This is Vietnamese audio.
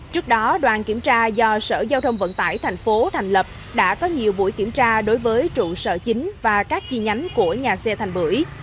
trước đó đoàn kiểm tra do sở giao thông vận tải thành phố thành lập đã có nhiều buổi kiểm tra đối với trụ sở chính và các chi nhánh của nhà xe thành bưởi